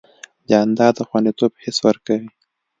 جانداد د خوندیتوب حس ورکوي.